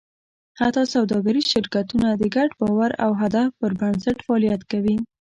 حتی سوداګریز شرکتونه د ګډ باور او هدف پر بنسټ فعالیت کوي.